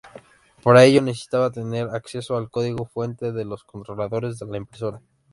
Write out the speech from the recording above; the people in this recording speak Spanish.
Para ello necesitaba tener acceso al código fuente de los controladores de la impresora.